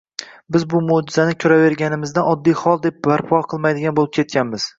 Biz bu moʻjizani ko‘raverganimizdan oddiy hol, deb parvo qilmaydigan bo‘lib ketganmiz.